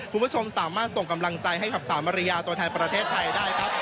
คุณผู้ชมสามารถส่งกำลังใจให้กับสาวมาริยาตัวแทนประเทศไทยได้ครับ